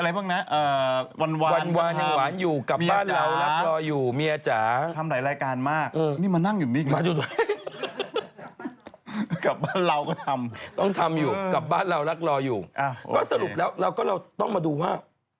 เรารักรออยู่ก็สรุปแล้วเราก็เราต้องมาดูว่า